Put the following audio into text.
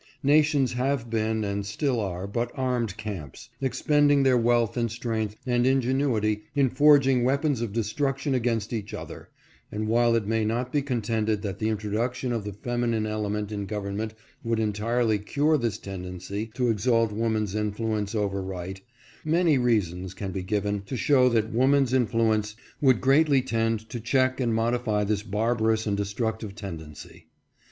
Nations have been and still are but armed camps, expend ing their wealth and strength and ingenuity in forgiug weapons of destruction against each other ; and while it may not be contended that the introduction of the femi nine element in government would entirely cure this ten 576 FAILURE OF MALE GOVERNMENT. dency to exalt woman's influence over right, many reasons can be given to show that woman's influence would greatly tend to check and modify this barbarous and destructive tendency.